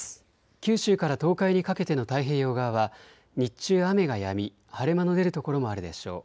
九州から東海にかけての太平洋側は日中、雨がやみ晴れ間の出る所もあるでしょう。